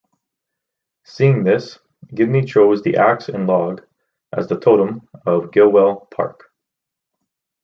Seeing this, Gidney chose the axe and log as the totem of Gilwell Park.